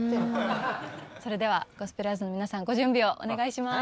それではゴスペラーズの皆さんご準備をお願いします。